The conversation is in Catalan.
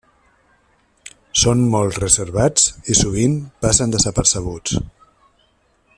Són molt reservats i sovint passen desapercebuts.